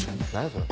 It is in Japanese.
それ。